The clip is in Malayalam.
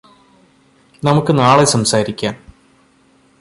നമ്മുക്ക് നാളെ സംസാരിക്കാം